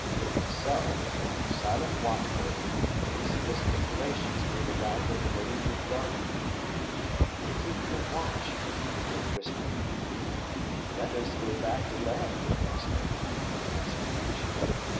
And so, like a silent watch word, these gesticulations made the round of the beleaguered garden. "They keep good watch," Dick whispered. "Let us back to land, good master," answered Greensheve.